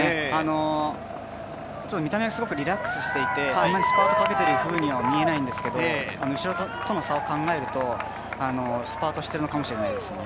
見た目がすごくリラックスしていて、そんなにスパートをかけているようには見えないんですけど後ろとの差を考えると、スパートしているのかもしれないですね。